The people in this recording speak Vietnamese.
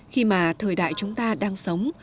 khi mà thời đại chúng ta đang sống